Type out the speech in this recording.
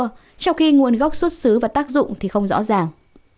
trong khi nguồn gốc xuất xứ và tác dụng thì không rõ ràng